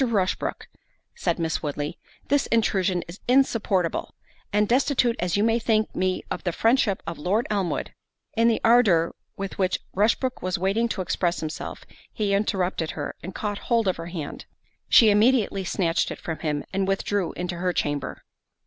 Rushbrook," said Miss Woodley, "this intrusion is insupportable; and destitute as you may think me of the friendship of Lord Elmwood"—— In the ardour with which Rushbrook was waiting to express himself, he interrupted her, and caught hold of her hand. She immediately snatched it from him, and withdrew into her chamber.